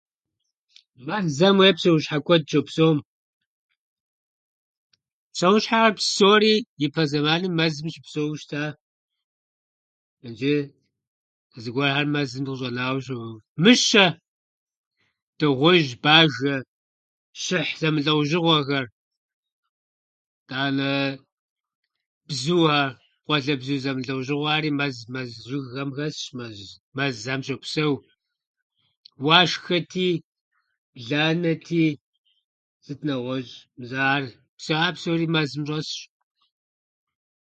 Мэзхэм уей псэущхьэ куэд щопсэум. Псэущхьэхьэр псори ипэ зэманым мэзым щыпсэууэ щыта. Иджы зыгуэрхьэр мэзым къыщӏэнауэ що- мыщэ, дыгъужь, бажэ, щыхь зэмылӏэужьыгъуэхэр. Итӏанэ бзухьэр, къалэбзу зэмылӏэужьыгъуэхьэри мэз- мэз жыгхэм хэсщ, мэз- мэзхэм щопсэу. Уашхэти, бланэти, сыт нэгъуэщӏ? Мис ахьэр- Мис ахьэр псори мэзым щӏэсщ.